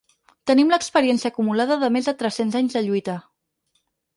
Tenim l’experiència acumulada de més de tres-cents anys de lluita.